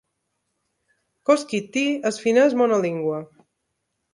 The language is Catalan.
Koski Tl és finès monolingüe.